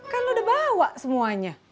kan udah bawa semuanya